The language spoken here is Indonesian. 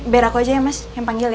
biar aku aja ya mas yang panggil